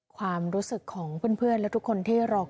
ความรู้สึกของเพื่อนและทุกคนที่รอ